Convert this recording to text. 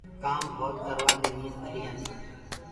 ڪآم ڀوت ڪروآ دي نيند ڀليٚ آندي هي۔